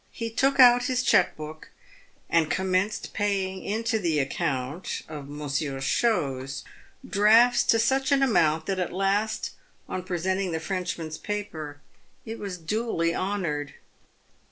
He took out his cheque book, and commenced paying in to the account of Monsieur Chose drafts to such an amount that at last, on presenting the French man's paper, it was duly honoured.